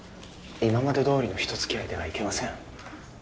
今までどおりの人づきあいではいけません。